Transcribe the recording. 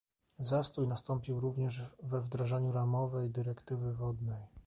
Zastój nastąpił również we wdrażaniu ramowej dyrektywy wodnej